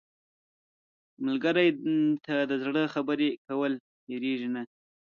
ملګری ته د زړه خبرې کول هېرېږي نه